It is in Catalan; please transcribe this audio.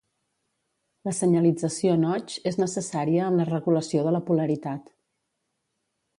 La senyalització Notch és necessària en la regulació de la polaritat.